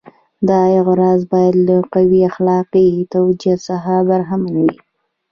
دا اعتراض باید له قوي اخلاقي توجیه څخه برخمن وي.